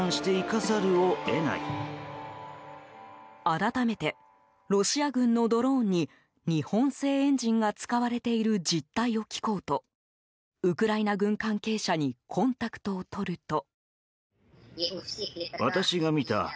改めてロシア軍のドローンに日本製エンジンが使われている実態を聞こうとウクライナ軍関係者にコンタクトを取ると。